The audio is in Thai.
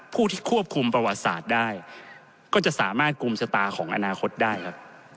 ผู้ที่ควบคุมประวัติศาสตร์ได้ก็จะสามารถกลุ่มชะตาของอนาคตได้ครับ